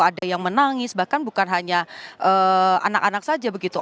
ada yang menangis bahkan bukan hanya anak anak saja begitu